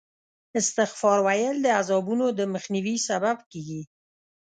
استغفار ویل د عذابونو د مخنیوي سبب کېږي.